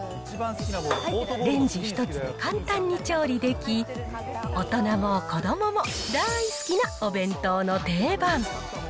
レンジ一つで簡単に調理でき、大人も子どもも大好きなお弁当の定番。